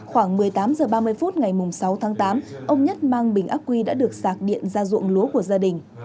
khoảng một mươi tám h ba mươi phút ngày sáu tháng tám ông nhất mang bình ác quy đã được sạc điện ra ruộng lúa của gia đình